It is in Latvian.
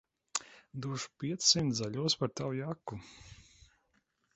Došu piecsimt zaļos par tavu jaku.